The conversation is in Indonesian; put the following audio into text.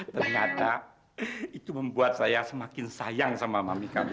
ternyata itu membuat saya semakin sayang sama mami kami